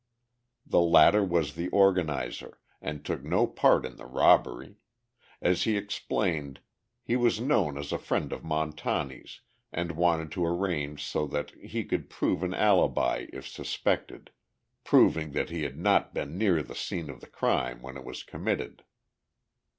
The latter was the organizer, and took no part in the robbery; as he explained, he was known as a friend of Montani's, and wanted to arrange so that he could prove an alibi if suspected, proving that he had not been near the scene of the crime when it was committed.